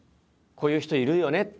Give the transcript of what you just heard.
「こういう人いるよね」